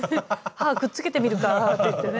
歯くっつけてみるかっていってね。